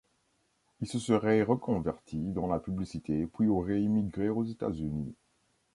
Il se serait reconverti dans la publicité puis aurait immigré aux États-Unis.